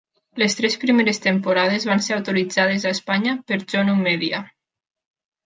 Les tres primeres temporades van ser autoritzades a Espanya per Jonu Media.